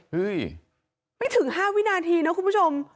ไม่ถึง๕วินาทีนะคุณผู้ชม